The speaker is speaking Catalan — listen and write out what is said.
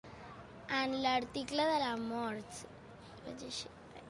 En l'article de la mort.